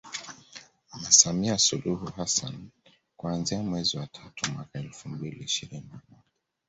Mama Samia Suluhu Hassani kuanzia mwezi wa tatu mwaka Elfu mbili ishirini na moja